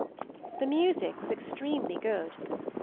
The music was extremely good.